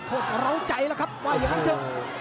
เราใจแล้วครับว่าอย่างนั้นเถอะ